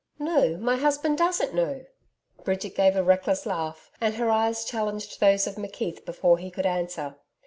'No, my husband doesn't know,' Bridget gave a reckless laugh, and her eyes challenged those of McKeith before he could answer.